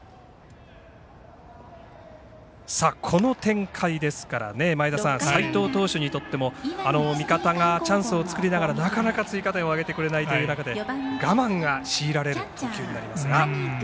この展開ですから、前田さん齋藤投手にとっても味方がチャンスを作りながらなかなか追加点を挙げてくれないという中で我慢が強いられる投球になりますが。